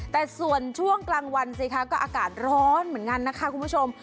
แต่ส่วนช่วงกลางวันสิคะก็อากาศร้อนเหมือนกันนะคะคุณผู้ชม